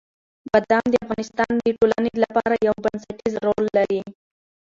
بادام د افغانستان د ټولنې لپاره یو بنسټيز رول لري.